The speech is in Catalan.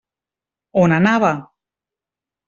On anava?